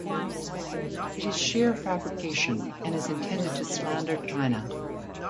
It is sheer fabrication and is intended to slander China.